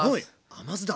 甘酢だ。